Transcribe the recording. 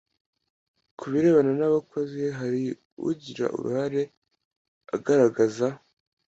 kubirebana n'abakozi hari ugira uruhare agaragaza